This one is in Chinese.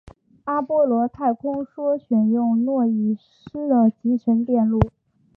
阿波罗太空梭选用诺伊斯的集成电路。